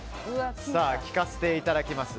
聞かせていただきます。